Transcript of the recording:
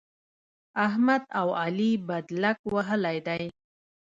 احمد او علي بدلک وهلی دی.